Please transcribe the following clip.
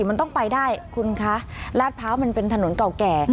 มันต้องไปได้คุณคะลาดพร้าวมันเป็นถนนเก่าแก่